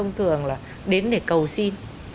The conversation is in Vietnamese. thông thường là đến để cầu xin